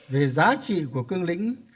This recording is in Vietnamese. về giá trị của cương lĩnh